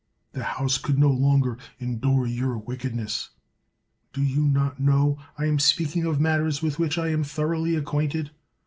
That house could no longer endure your wickedness. Do you not know I am speaking of matters with which I am thoroughly acquainted?